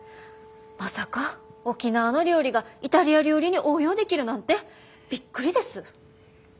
まさか沖縄の料理がイタリア料理に応用できるなんてびっくりです。